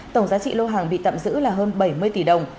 tổng giá trị lô hàng bị tạm giữ là hơn bảy mươi tỷ đồng